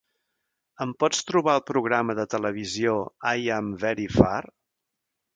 Em pots trobar el programa de televisió I Am Very Far?